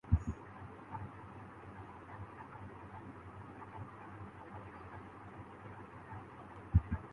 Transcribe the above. steel mills lease پر دینے کیلئے معاملات حتمی مراحل میں داخل